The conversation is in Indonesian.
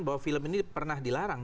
bahwa film ini pernah dilarang